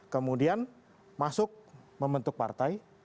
kemudian masuk membentuk partai